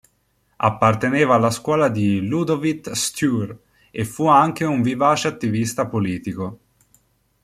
Apparteneva alla scuola di Ľudovít Štúr e fu anche un vivace attivista politico.